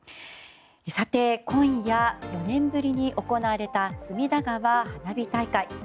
さて、今夜４年ぶりに行われた隅田川花火大会。